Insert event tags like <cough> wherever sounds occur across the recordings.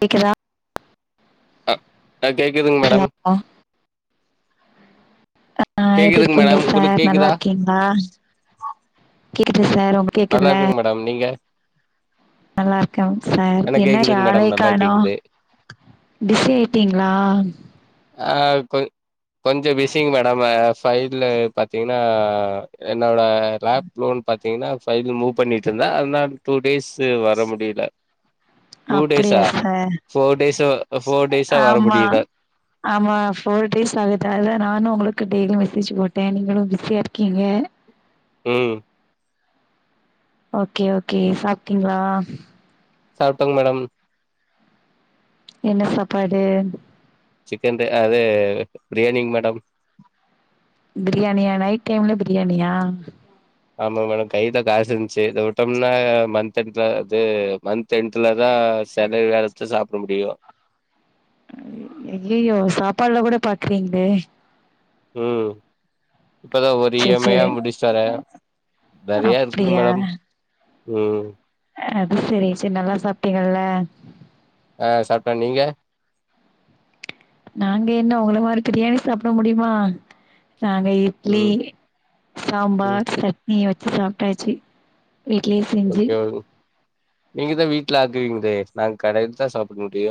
கேக்குதா அ ஆ கேக்குதுங் ஹலோ மேடம் ஆ எப்டி கேக்குதுங் இருக்கிங்க மேடம் உங்களுக்கு சார் கேக்குதா நல்லாருக்கிங்ளா கேக்குது சார் உங்க நல்லாருக்கங் மேடம் நீங் க நல்லாருக்கங் சார் என்னாச்சி கேக்குதுங் மேடம் ஆளயே நல்லா காணோ கேக்குது பிசி ஆயிட்டிங்ளா ஆ கொ கொஞ்ச பிஸிங் மேடம் ஆ சைடுல பாத்திங்னா என்னோட லேப் லோன் பத் திங்னா சைட்ல மூவ் பண்ணிட்ருந்தா ஒன் ஆர் டூ டேஸ் வர முடியல டூ அப்டியா டேஸா சார் ஃபோர் டேஸா ஃபோர் டேஸா வர ஆமா முடியல ஆமா போர் டேஸ் ஆகுது அதுதா நானு உங்ள டெய்லி மெசேஜ் போட்டே நீங்களு பிஸியா இருக்கீங்க ம் ஓகே ஓகே சாப்ட்டீங்ளா சாப்ட்டங் மேடம் என்ன சாப்பாடு சிக்கன் டு அது பிரியாணிங் மேடம் பிரியாணியா நைட் டைம்ல பிரியாணியா ஆமா மேடம் கைல காசு இருந்துச்சி இத உட்டம்னா மந்த் எண்ட்ல து மந்த் எண்ட்டு லதா செதவி வேறச்ச சாப்ட முடியு அய்யயோ சாப்பாட்ல கூட பாக்குறீங்ளே ம் இப்பதா ஒரு இ சேரி எம் ஐ ஆ சேரி முடிச்ட்டு வர நெறையா இருக்குங் அப்டியா மேடம் ம் அது செரி செரி நல்லா சாப்ட்டீங்கல்ல அ சாப்ட்ட நீங்க நாங்க என்ன உங்கள மாரி பிரியாணி சாப்ட முடியுமா நாங்க இட்லி ம் ம் சாம்பார் சட்னி வச் சாப்ட்டாச்சி வீட்லே செஞ்சி ஓகே ஓகே நீங்க தா வீட்ல ஆக்குவீங்ளே நாங்க கடைல்தா சாப்ட முடியு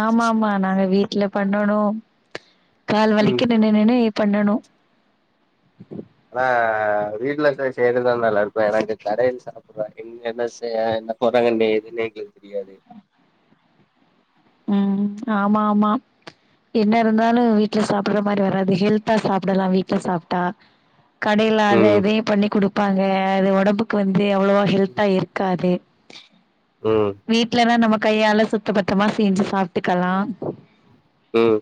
ஆமா ஆமா நாங்க வீட்ல பண்ணணோ கால் ம் வலிக்குது நின்னு நின்னு எப் பண்ணணு ஆனா வீட்ல செய் செய்றதுதான நல்லா இருக்கு ஏன்னா இங்க கடேல சாப்டுறோ இங்க என்ன செய் என்ன போடுறாங்கன்னு எதுன்னே எங்களுக்கு தெரியாது ம் ஆமா ஆமா என்ன இருந்தாலு வீட்ல சாப்புற மாரி வராது ஹெல்தா சாப்டலா வீட்ல சாப்ட்டா கடேல அத ம் இதயு பண்ணி குடுப் இருப்பாங்க அது ஒடம்புக்கு வந் இது அவ்வளவோ ஹெல்தா இருக்காது ம் வீட்லதான் நமக் கையால சுத்த பத்தமாஸ் செஞ்சு சாப்ட்டுக்கலா ம்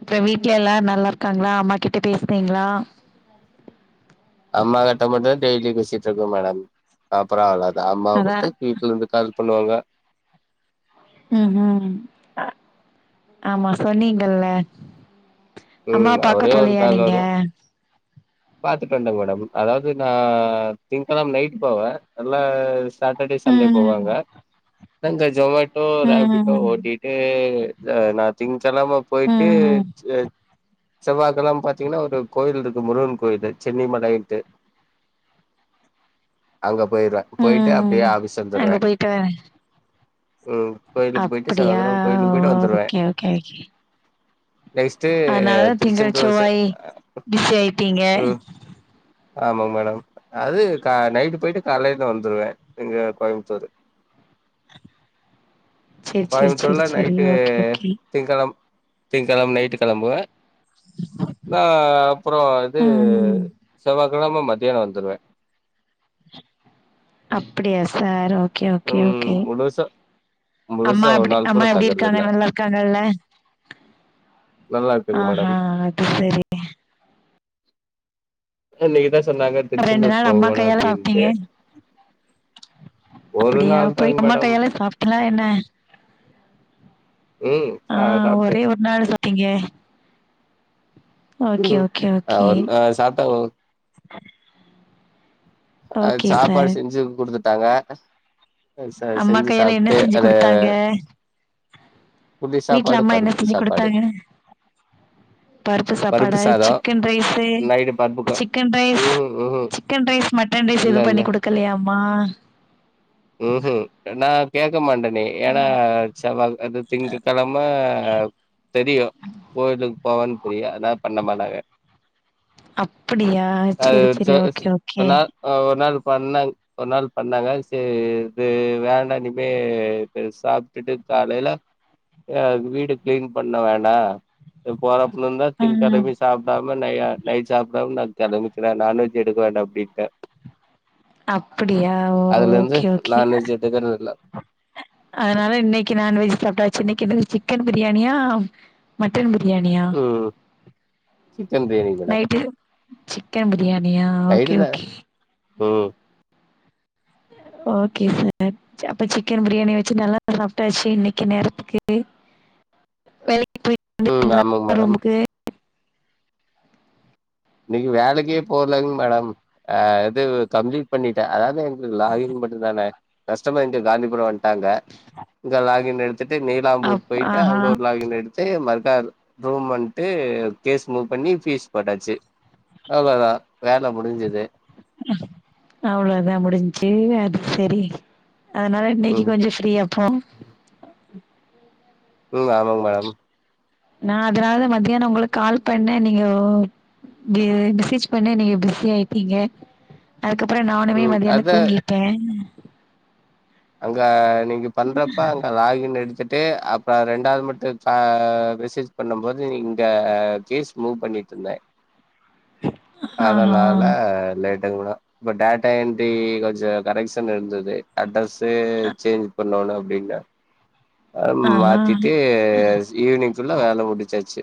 ப்பற வீட்ல எல்லார் நல்லா இருக்காங்களா அம்மா கிட்ட பேசுனீங்களா அம்மா கிட்ட மட்டு டெய்லியு பேசிட்ருக்க மேடம் அப்புறோ அவ்ள தா அம்மா அதா மட்டு வீட்ல இருந்துதாங்க பண்ணுவாங்க ம் ஹு ஆமா சொன்னீங்கல்ல அம்மா ம் பாக்க ஒரே ஒரு போலயா கால் நீங்க வரு பாத்துட்டு வண்ட்டங் மேடம் அதாவ்து நா திங்கெழம் நைட்டு போவ இல்ல சாட்டர்டே சண்டே ம் போவங்க தங்க ஜெவ்வாய் போ ராபிட்டோ ம் ஓட்டிட்டு நா நா திங்க்கெழம ம் போய்ட்டு ம் எ செவ்வாகெழம் பாத்தீங்குனா ஒரு கோவில்ருக்கு முருகன் போய்ட்டு சென்னி மலயின்ட்டு அங்க போய்ர்வ போய்ட்டு ம் அப்டியே ஆபிஸ் வந்துர்வே அப்பிடியா கோயிலுக்கு போயிட்டு வந்துருவேன். ஓகே ஓகே ஓகே நெக்ஸ்ட்டு அதுனால திங்கள் திருச்செந்தூர் செ செவ்வாய் பிஸி ஆய்ட்டீங் க ஆமா மேடம் அது கா நைட்டு போய்ட்டு காலேல வந்துர்வே இங்க கோயமுத்தூரு சேரி சேரி சேரி கோயமுத்தூர்ல சேரி நைட்டு ஓகே ஓகே திங்கழம் திங்கழம் நைட்டு கெளம்புவ நா அப்புறோ இது ம் செவ்வா கிழம மத்தியான வந்துர்வே அப்பிடியா சார் ஓ கே ஓகே ம் ஓகே முழுசா அம்மா முழுசா ஒரு எப்புடி நாள் கூட அம்மா எப்டி இருக்காங்க தங்கறதில்ல நல்லா இருக்காங்கல்ல நல்லா ஆ இருக்குங்க ஹா மேடம் அது செரி என்னிக்குதா ச ஒட ரெண்டு நாள் அம்மா கையால சாப்ட்டீங்க ஒரு அப்புடியா நாள் போய் தாங்க அம்மா மேடம் கையால சாப்புடல என்ன ம் ஆ சா சாப்ட்டே ஒரே ஒர் நாள் சா ப்டீங்க ம் அ ஒன் ஆ சாப்ட்டா ம் அ ஓகே சார். சாப்பாடு செஞ்சு குடுத்துட்டாங்க ச அம்மா செஞ்சு கையால என்ன சாப்ட்டு செஞ்சு அது குடுத்தாங்க புளி வீட்டுல சாப்பாடு அம்மா என்ன பருப்பு செஞ்சு சாப்பாடு கொடுத்தாங்க பருப்பு சாப்பாடா சிக்கன் ரைஸ்சு நைட்டு பருப்புக்கு சிக்கன் ரைஸ் ம் ம் ம் chicken rice mutton rice இல்ல ஏது இல்ல பண்ணி குடுக்கலையாமா ஆ கேக் க மண்டனி ஏனா செவ அது திங்க்கிழமை தெரியும் கோயிலுக் போவன்னு தெரியும் அதான பண்ண மாட்டாங்க அப்படியா அது செரி செரி ச ஸ் ஓகே ஓகே ஒரு நா அ ஒரு நாள் பண்ணாங் ஒரு நாள் பண்ணாங்க செர் இது வேண்டாம் இனிமே இது சாப்பிட்டுட்டு காலையில வீடு அ கிளீன் பண்ண வேண்டா இது போற இ தா திங்க ம். கிழமி சாப்பிடாம நயா நை சாப்பிடாம ந கிழமிக்கல நான்வஜ் எடுக்க வேண்டா அப்டி ன்டு அப்படியா ஓகே ஓகே நான்வெஜ் எடுக்கறது இல்ல அதனால இன்னைக்கு நான்வெஜ் சாப்டாச்சு இன்னைக்கு என்னது சிக் கன் பிரியாணியா மட்டன் பிரயாணியா ம் chicken biryani madam night chicken பிரியாணியா ஓகே நைட்டுதா ஓகே ம் ஓகே சார் ச அப்ப சிக்கன்பிரியாணி வச்சு நல்லா சாப்டாச்சு இன்னைக்கு நேரத்துக்கு வேலைக் ம் ஆமாங்க மேடம் இன்னைக்கு வேலைக்கே போலங் மேடம் ஆ எது கம்ப்ளீட் பண்ணிட்டே அதாவதுங் லாஹின் மட்டுந்தான கஷ்டமாந்து காந்திபுர வண் லாங்க இங்க லாகின் எடுத்துட்டு அப் நீலாம்பூர் போய்ட்டு ஆஹா அங்க ஒரு லாகின் எடுத் மருக்கா ரூம் வண்ட்டு கேஸ் மூவ் பண்ணி பீஸ் போட்டாச்சு அவ்வளோதா வேல முடிஞ்சது அவ்வளோ தா முடிஞ்ச்சு அது சரி அதனால இன்னைக்கு ம் கொஞ்ச ஃப்ரீயாப்போ ம் ஆமாங்க மேடம் நா அதனாலதா மதியான உங்களுக் கால் பண்ணே நீங்க மெ மெசேஜ் பண்ண நீங்க பிஸி ஆயிட்டீங்க அதுக்கப்புற நானுமே ம் மதியான அதா தூங்கிட்டே அங்க நீங்க பண்றப்ப அங்க லாக் இன் எடுத்துட் ட்டு அப்ற ரெண்டாவது மட்டு மெசேஜ் பண்ணும் போது இங்க கேஸ் மூவ் பண்ணிட்ருந்தே ஆஹா அதனால லேட் ங்களா இப்ப டேட்டா என்ட்ரி கொஞ்ச கரெக்ஷன் இருந்தது அட்ரஸ் து சேஞ்ச் பண்ணோனு முடில அ ஆஹா மாத்திட்டு ஈவினிங் ஃபுல்லா வேல முடிச்சாச்சி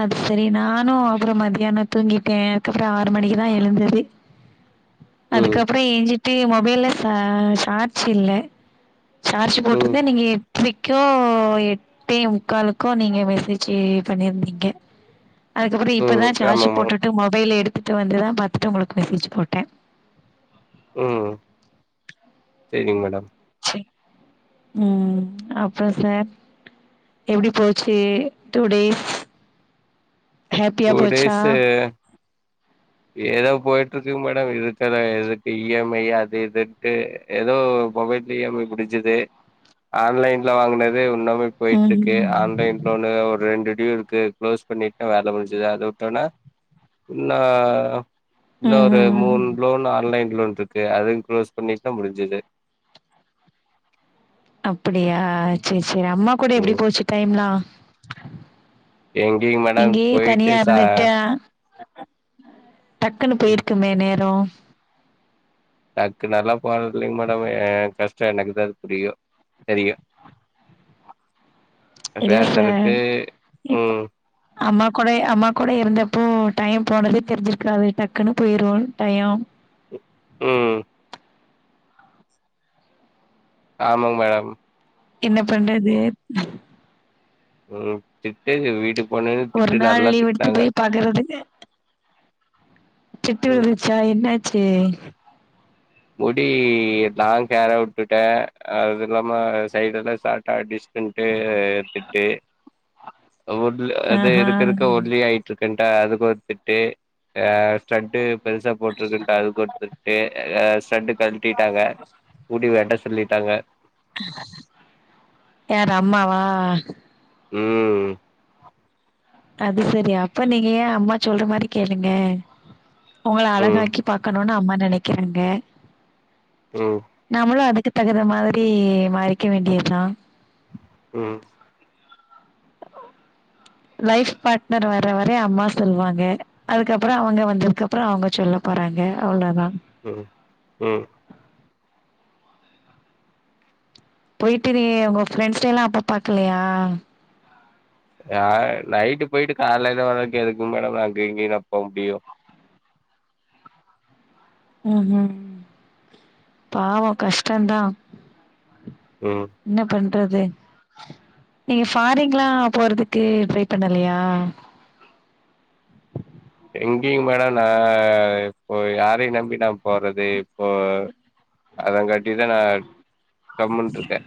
அது சரி நானு அப்பபுற மதியான தூங்கிட்டே அதுக்கப்ற ஆறு மணிக்குதா எழுந்ததே ம் அதுக்கப்புற ஏஞ்சிட்டு மொ வேல சார் சார்ஜ் இல்ல சார்ஜ் ம் போட்டிருந்தே நீங்க ரைக்கோ எட்டு முக்காலுக்கோ நீங்க மெசேஜ் பண்ணியிருந்தீங்க <unintelligible> அதுக்கப்புற ம் இப்போதா சார்ஜ் ஆமாமா போட்டுட்டு மொபைல எடுத் த்துட்டு வந்துதா பாத்தட்டு உங்களுக்கு மெசேஜ் போட்டே ம் சேரிங் மேடம் ம் அப்பறோ சார் எப்டி போச்சு டூ டேஸ் ஹாப்பியா டூ போச்சா டேஸ்ஷு ஏதோ போயிட்ருக்குங் மேடம் இருக்கத எதுக்கு இ எம் ஐ அது இதுட்டு ஏதோ மொபைல் இ எம் ஐ முடிச்சது ஆன்லைன்ல வாங்கினது இன்னு போ ம் போய்ட்ருக்கு ஆன்லைன் ஒன்னு ஒரு ரெண்டு டிவு இருக்கு க்ளோஸ் பண்ணிட்டா வேல முடிஞ்சது அத விட்டோனா இன்ன அ இன்னு ம் ஒரு ம் மூணு லோன் ஆன்லைன்ல வந்துருக்கு அது குளோஸ் பண்ணிட்டா முடிஞ்சுது அப்படியா சரி சரி அம்மா கூட எப்பிடி போச்சு டைம்லா எங்கிங் மேடம் இங்கயே தனியா போயிட்டு ச இருந்துட்டு டக்குன்னு போயிருக்குமே நேரோ டக்குனு எல்லா போறதில்லைங் மேடம் எ கஷ் ட எனக்குதா புரியு தெரியு நா இல்ல சார் பேசறதுக்கு இப்ப ம் அம்மா கோடயே அம்மா கோடயே இருந்தப்போ டைம் போனது தெரிஞ்சிருக்காது டக்குன்னு போயிரு டய ம் ஆமா மேடம் என்ன பண்றது ம் திட்டு வீடு ஒரு நாள் லீவ் எடுத்து போய் பாக்கறதுக்கு திட்டு ம் விழுந்துச்சா என்ன சேர் முடி லாங் ஹேரா உட்டுட்டே அது இல்லாம சைடு எல்லா ஷாட்டா டிஸ்டன்ட்டு எத்துட்டு ஒல் அது ஆஹா இருக் இருக்க ஒல்லியாயிட்டு இருக் கன்ட்டு அதுக்கு ஒரு திட்டு ஸ்டட்டு பெருசா போட்ருக்கன்ட்டு அதுக்கொரு திட்டு ஸ்டட்டு கழ்ட்டிட்டாங்க முடி வெட்ட சொ சொல்லிட்டாங்க யாரு அம்மாவா ம் அது சரி அப்ப நீங்க ஏ அம்மா சொல்ற மாரி கேளுங்க உங்கள ம் அழகாக்கி பாக்கணுனு அம்மா நெனைக்கிறாங்க ம் நாமளு அதுக்கு தகுந்த மாதிரி மாறிக்க வேண்டியதுதா ம் லைஃப் பார்ட்னர் வர்றவரை அம்மா சொல்வாங்க அதுக்கப்புற அவுங்க வந்ததுக்கப்புற அவுங்க சொல்ல போறாங்க அவ்ளதா ம் ம் போயிட்டு நீ உங்க ஃப்ரெண்ட்ஸ்ட்ட எல்லா அப்ப பாக்கலையா ஆ நைட்டு போயிட்டு காலைல வரதுக்கு எதுக்குங் மேடம் அங்க இங்கயுனா போக முடியு ம் ஹு பாவ கஷ்டந்தா ம் என்ன பண் ட்றது நீங்க ஃபாரிங்ல்லா போறது கு ட்ரை பண்ணலயா எங்கிங் மேட நா இப்போ யாரையுநம்பி நா போறது இப்போ அதங்காட்டிதா நா கம்முன்ருக்கே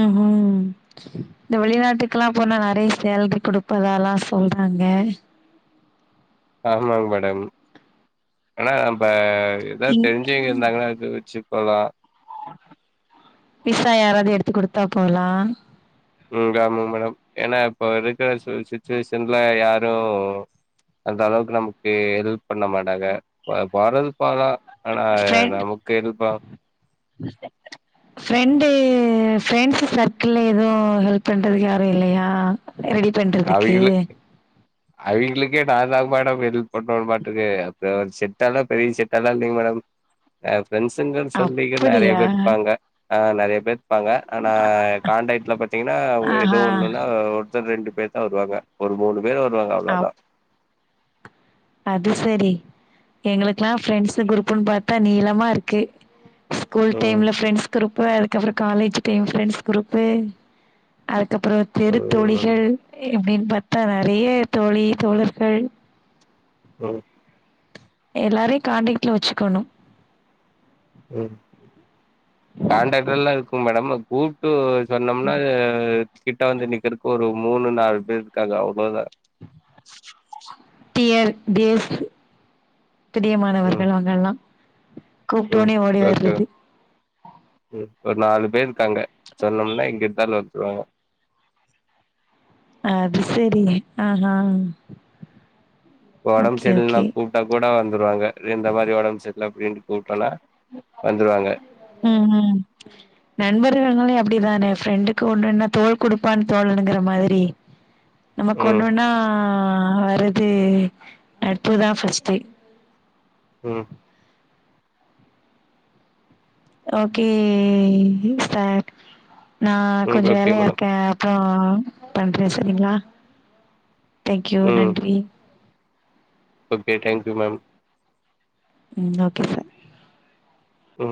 ம்ஹு இந்த வெளிநாட்டுக்லா போனா நறை சேல்ரி குடுப்பதாலா சொல்றாங்க ஆமாங் மேடம் ஆனா நம்ப ஏதாவ் இங் தெர்ஞ்சவிங்க இர்ந்தாங்கனா அத வெச்சு போலா விசா யாராது எடுத்து குடுத்தா போலா ம் ஆமாங் மேடம் ஏன்னா இப்ப இருக்குற சு சுச்சுவேஷன்ல யாரு அந்த அளவுக்கு நமக்கு ஹெல்ப் பண்ண மாட்டாங்க வ <unintelligible> ஃப்ரெண் ஃப்ரெண்டு ஏ ஃப்ரெண்ட்ஸு சர்க்குளே எதுவு ஹெல்ப் பண்றதுக்கு யாரு இல்லையா ரெடி பண்றதுக்கு க்கே நாந்தா மேடம் எல்ப் பண்ணு மாட்ருக்கு அப்டி ஒரு செட்டால்லா பெரிய செட்டெல்லா இல்லிங்க மேடம் அ ஃப்ரெண்டஸுங்கன் சொல்லிக்க நறைய அப்படியா? பேர் இருக்காங்க ஆ நறைய பேர் இருக்காங்க ஆனா கான்டக்ட்ல பாத்தீங்னா எதோ ஆஹா! ஒண்ணுனா ஒருத்த ரெண்டு பேர் தா வருவாங்க ஒரு மூணு பேர் வருவாங்க அவ்ளோதா அப் அது செரி எங்களுக்குல்லா ஃப்ரெண்ட்ஸு க்ரூப்புன் பாத் தா நீளமா இருக்கு ஸ்கூல் ம் டைம்ல ஃப்ரெண்ட்ஸ் க்ரூப் இப்ப அதுக்கப்றொ காலேஜ் டைம் ஃப்ரெண்ட்ஸ் க்ரூப்பு அத் கப்றொ தெருத் ம் தோழிகள் இப்டின் பாத்தா நறைய தோழி தோழர்கள் ம் எல்லாரைய் காண்டக்ட்ல வச்சுக்கணு ம் காண்ட்டாக்ட்லல்லா இருக்கும் மேடம் கூப்ட்டு <unintelligible> கிட்ட வந்து நிக்கிறக் ஒரு மூணு நால் பேர் இருக்காக அவ் ளதா டியர் டியர்ஸ் ம் பிரியமானவர்கள் அவ்ங்கல்லா ம் கூப்டோன்னே ஓடி ஓகே வர்றது ம் ஒரு நாலு பேர் இருக்காங்க சொன்னோம்னா எங்க இருந்தாலு வந்த்ருவாங்க ஆ அது சேரி ஆ ஹா ஒடம் செரில்லனா கூப்ட்டாக் கூட வந் த்ருவாங்க ரே இந்த மாரி ஒடம் ச இல்ல அப்டின்ட்டு கூப்ட்டனா ம் ம் நண்ப பர்கள்னாலே அப்டிதானே ஃப்ரெண்டுக்கு ஒண்ணுனா தோள் குடுப்பான் தோழனுங்குற மாதிரி ம் நமக்கொண்னுனா ஆ வருது நட்புதா ஃபஸ்ட்டு ம் ஓகே ஃபேட் நா ம் கொஞ்ச ஓகே வேலையா மேடம் இருக்க அப் றோ பண்றே செரிங்ளா தெய்ங்க்யு ம் நன்றி ஓகே டேங்க் யூ மேம் ம் ஓகே ச ம்